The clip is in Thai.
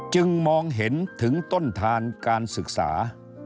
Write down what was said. จึงมองเห็นถึงต้นทานการศึกษา